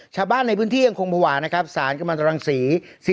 ชาวบ้านในพื้นที่ยังคงภาวะนะครับสารกำลังตรังศรี